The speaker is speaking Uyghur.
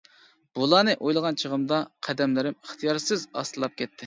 بۇلارنى ئويلىغان چېغىمدا قەدەملىرىم ئىختىيارسىز ئاستىلاپ كەتتى.